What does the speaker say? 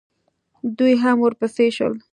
دوئ هم ورپسې شول.